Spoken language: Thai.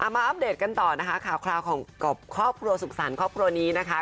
อัปเดตกันต่อนะคะข่าวของครอบครัวสุขสรรค์ครอบครัวนี้นะคะ